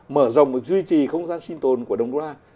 mở rộng và duy trì không gian sinh tồn của đồng đô la